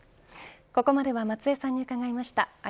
ここまでは松江さんに伺いました。